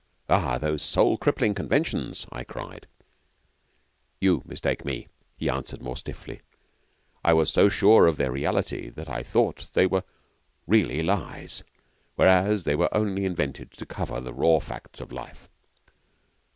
'Ah, those soul crippling conventions!' I cried. 'You mistake me,' he answered more stiffly. 'I was so sure of their reality that I thought that they were really lies, whereas they were only invented to cover the raw facts of life.'